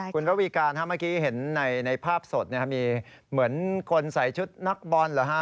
คุณระวีการเมื่อกี้เห็นในภาพสดมีเหมือนคนใส่ชุดนักบอลเหรอฮะ